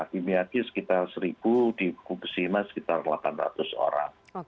di miyagi sekitar satu di fukushima sekitar delapan ratus orang